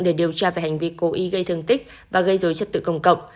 để điều tra về hành vi cố ý gây thương tích và gây dối trật tự công cộng